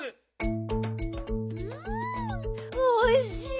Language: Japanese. んおいしい。